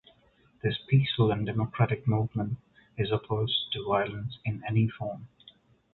This peaceful and democratic movement is opposed to violence in any form.